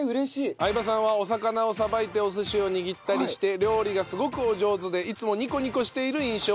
相葉さんはお魚をさばいてお寿司を握ったりして料理がすごくお上手でいつもニコニコしている印象。